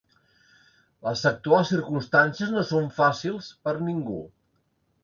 Les actuals circumstàncies no són fàcils, per a ningú.